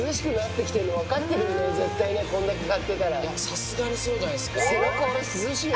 さすがにそうじゃないですか。